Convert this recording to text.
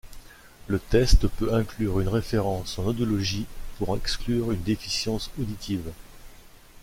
Le test peut inclure une référence en audiologie pour exclure une déficience auditive.